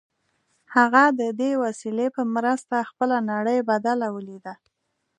هغه د دې وسیلې په مرسته خپله نړۍ بدله ولیده